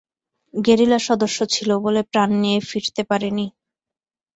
Guerrilla সদস্য ছিল বলে প্রাণ নিয়ে ফিরতে পারে নি।